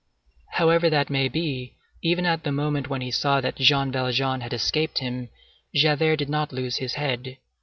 However that may be, even at the moment when he saw that Jean Valjean had escaped him, Javert did not lose his head.